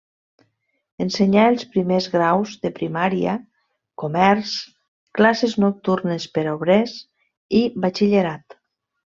Ensenyà els primers graus de primària, comerç, classes nocturnes per obrers i batxillerat.